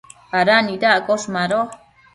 ¿ada nidaccosh? Mado